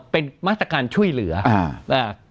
เป็นมาสตกรช่วยเหลืออ่ะ